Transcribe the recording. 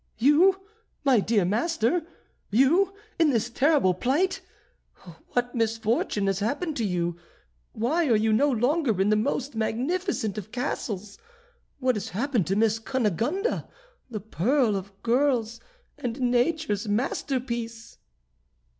You, my dear master! you in this terrible plight! What misfortune has happened to you? Why are you no longer in the most magnificent of castles? What has become of Miss Cunegonde, the pearl of girls, and nature's masterpiece?"